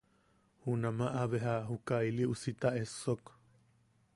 Junamaʼa beja juka ili usita a essok.